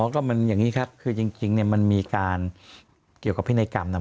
ก็มันอย่างนี้ครับคือจริงเนี่ยมันมีการเกี่ยวกับพินัยกรรมนะ